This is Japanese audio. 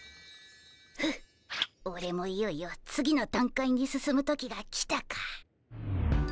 フッオレもいよいよ次の段階に進む時が来たか。